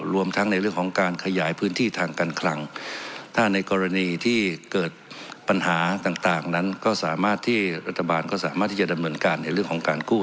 รวมทั้งในเรื่องของการขยายพื้นที่ทางการคลังถ้าในกรณีที่เกิดปัญหาต่างนั้นก็สามารถที่รัฐบาลก็สามารถที่จะดำเนินการในเรื่องของการกู้